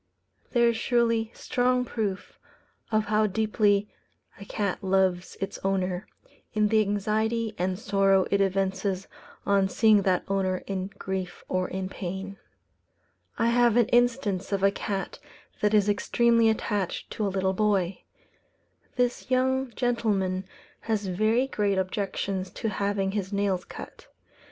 There is surely strong proof of how deeply a cat loves its owner, in the anxiety and sorrow it evinces on seeing that owner in grief or in pain. I have an instance of a cat that is extremely attached to a little boy. This young gentleman has very great objections to having his nails cut.